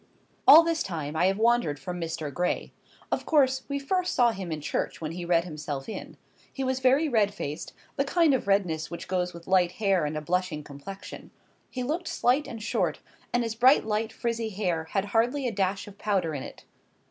All this time I have wandered from Mr. Gray. Of course, we first saw him in church when he read himself in. He was very red faced, the kind of redness which goes with light hair and a blushing complexion; he looked slight and short, and his bright light frizzy hair had hardly a dash of powder in it.